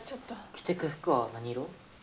着てく服は何色？